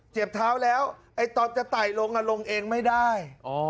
เท้าแล้วตอนจะไต่ลงลงเองไม่ได้